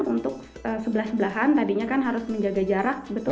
untuk sebelah sebelahan tadinya kan harus menjaga jarak